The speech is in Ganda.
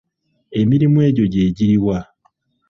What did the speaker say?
Emirimu egyo gye giri wa?